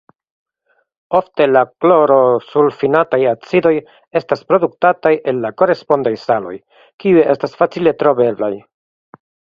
Ofte la klorosulfinataj acidoj estas produktataj el la korespondaj saloj kiuj estas facile troveblaj.